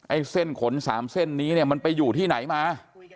เส้นขน๓เส้นนี้เนี่ยมันไปอยู่ที่ไหนมา